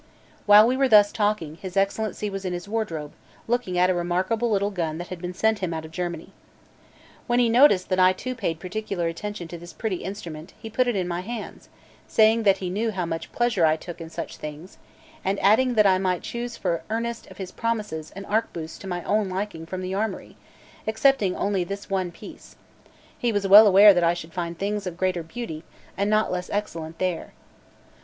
While we were thus talking, his Excellency was in his wardrobe, looking at a remarkable little gun that had been sent him out of Germany. When he noticed that I too paid particular attention to this pretty instrument, he put it in my hands, saying that he knew how much pleasure I took in such things, and adding that I might choose for earnest of his promises an arquebuse to my own liking from the armoury, excepting only this one piece; he was well aware that I should find things of greater beauty, and not less excellent, there.